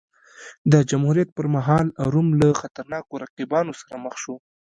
د جمهوریت پرمهال روم له خطرناکو رقیبانو سره مخ شو.